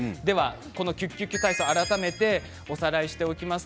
このＱＱＱ体操を改めておさらいしておきます。